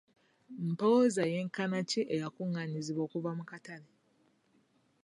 Mpooza yenkana ki eyakungaanyizibwa okuva mu katale?